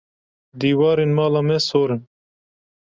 Dîwarên mala me sor in.